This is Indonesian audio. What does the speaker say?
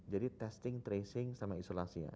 jadi testing tracing sama isolasinya